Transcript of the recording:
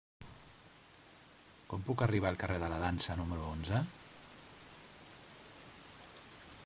Com puc arribar al carrer de la Dansa número onze?